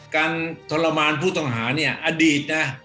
ทรมานผู้ต้องหาเนี่ยอดีตนะ